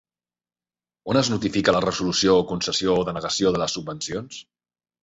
On es notifica la resolució de concessió o denegació de les subvencions?